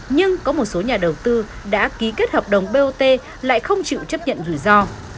nhưng có một số nhà đầu tư đã ký kết hợp đồng bot lại không chịu chấp nhận rủi ro